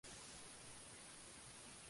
Las hojas son de dos tipos.